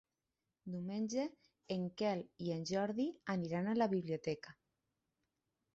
Diumenge en Quel i en Jordi aniran a la biblioteca.